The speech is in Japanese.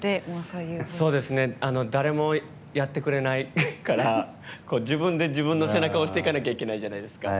誰もやってくれないから自分で自分の背中を押していかなきゃいけないじゃないですか。